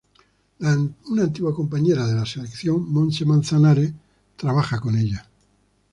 Una antigua compañera de la selección, Montse Manzanares, trabaja con ella.